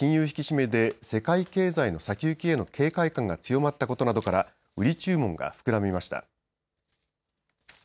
引き締めで世界経済の先行きへの警戒感が強まったことなどから売り注文が膨らみました。